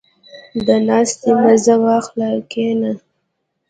• د ناستې مزه واخله، کښېنه.